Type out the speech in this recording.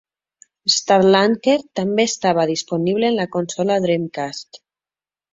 "Starlancer" també estava disponible en la consola Dreamcast.